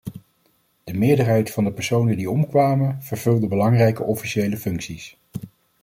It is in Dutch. De meerderheid van de personen die omkwamen, vervulde belangrijke officiële functies.